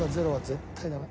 絶対ダメ。